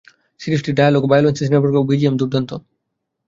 সিরিজটির dialogue, violence, cinematography ও BGM দুর্দান্ত।